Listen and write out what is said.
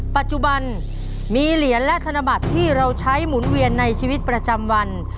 ปัจจุบันมีเหรียญและธนบัตรที่เราใช้หมุนเวียนในชีวิตประจำวัน